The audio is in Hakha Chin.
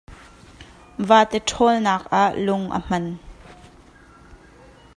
Vate ṭhawlnak ah lung a hman.